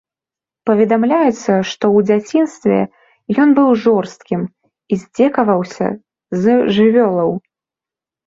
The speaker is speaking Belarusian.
Паведамляецца, што ў дзяцінстве ён быў жорсткім і здзекаваўся з жывёлаў.